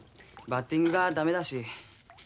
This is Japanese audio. バッティングが駄目だし。